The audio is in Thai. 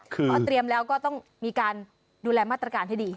เพราะเตรียมแล้วก็ต้องมีการดูแลมาตรการให้ดี